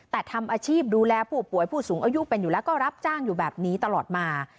แต่ทำอาชีพดูแลผู้ป่วยผู้สูงอายุเป็นอยู่แล้วก็รับจ้างอยู่แบบนี้ตลอดมา